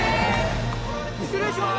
失礼します